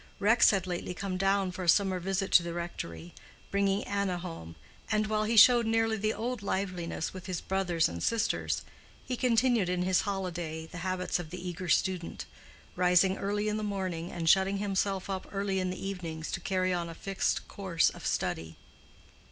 Rex had lately come down for a summer visit to the rectory, bringing Anna home, and while he showed nearly the old liveliness with his brothers and sisters, he continued in his holiday the habits of the eager student, rising early in the morning and shutting himself up early in the evenings to carry on a fixed course of study.